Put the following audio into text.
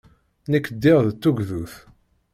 Nekk ddiɣ d tugdut.